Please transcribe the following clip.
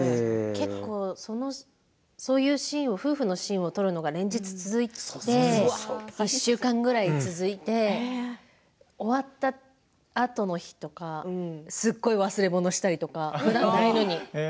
結構そういうシーンを夫婦のシーンを撮るのが連日続いて１週間ぐらい続いて終わったあとの日とかすごい忘れ物したりとか。ふだんないのに。